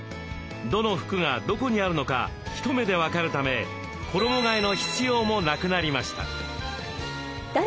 どの服がどこにあるのか一目で分かるため衣替えの必要もなくなりました。